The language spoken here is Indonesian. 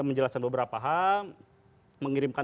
menjelaskan beberapa hal mengirimkan